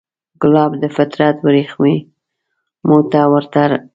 ګلاب د فطرت وریښمو ته ورته دی.